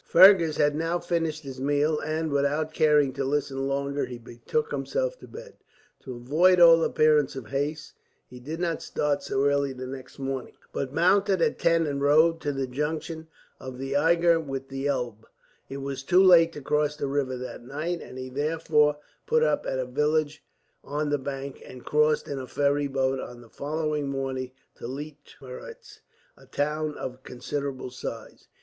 Fergus had now finished his meal, and without caring to listen longer he betook himself to bed. To avoid all appearance of haste, he did not start so early the next morning, but mounted at ten and rode to the junction of the Eger with the Elbe. It was too late to cross the river that night, and he therefore put up at a village on the bank, and crossed in a ferry boat on the following morning to Leitmeritz, a town of considerable size.